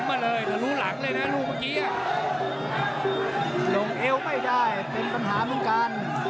มาเลยเดี๋ยวรู้หลังเลยนะลูกเมื่อกี้ลงเอวไม่ได้เป็นปัญหาเหมือนกัน